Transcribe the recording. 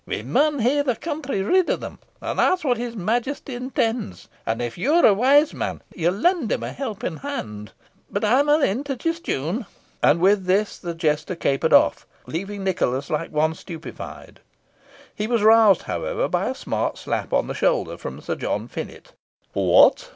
We maun hae the country rid o' them, and that's what his Majesty intends, and if you're a wise man you'll lend him a helping hand. But I maun in to disjune." And with this the jester capered off, leaving Nicholas like one stupefied. He was roused, however, by a smart slap on the shoulder from Sir John Finett. "What!